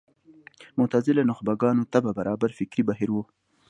معتزله نخبه ګانو طبع برابر فکري بهیر و